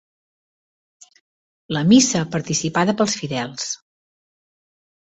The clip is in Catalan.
La missa participada pels fidels.